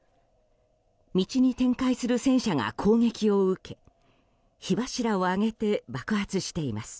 道に展開する戦車が攻撃を受け火柱を上げて爆発しています。